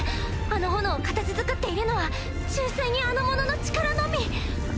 あの炎を形作っているのは純粋にあの者の力のみ！